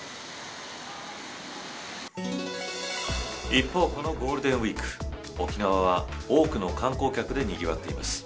一方、このゴールデンウイーク沖縄は、多くの観光客でにぎわっています。